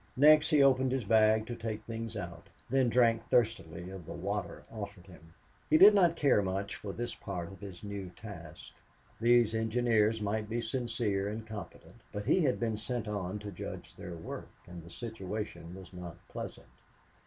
Next he opened his bag to take things out, then drank thirstily of the water offered him. He did not care much for this part of his new task. These engineers might be sincere and competent, but he had been sent on to judge their work, and the situation was not pleasant.